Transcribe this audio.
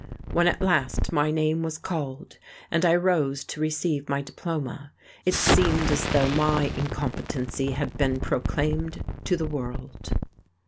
When at last my name was called and I rose to receive my diploma it seemed as though my incompetency had been proclaimed to the world...